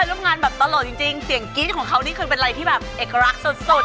ร่วมงานแบบตลกจริงเสียงกรี๊ดของเขานี่คือเป็นอะไรที่แบบเอกลักษณ์สุด